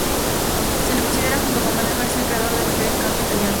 Se le considera junto con Manuel García el creador del bel canto italiano.